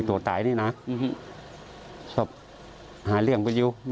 ให้ข้ายแสนการส่ง